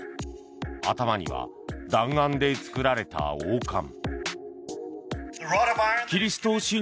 頭には弾丸で作られた王冠。